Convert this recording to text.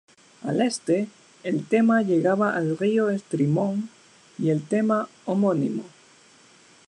Al este, el tema llegaba al río Estrimón y el tema homónimo.